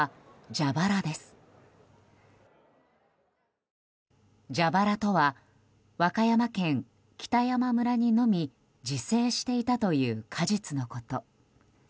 ジャバラとは和歌山県北山村にのみ自生していたという果実のこと。